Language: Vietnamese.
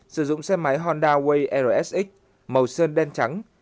sử dụng xe máy honda way rsx màu sơn đen trắng